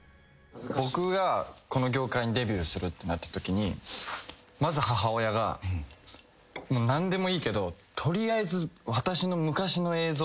僕がこの業界にデビューするってなったときにまず。何でもいいけど取りあえず。